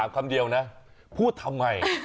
คำเดียวนะพูดทำไม